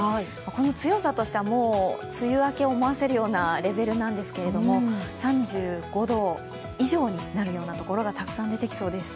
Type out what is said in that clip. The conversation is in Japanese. この強さとしては梅雨明けを思わせるようなレベルですけど３５度以上になるようなところがたくさん出てきそうです。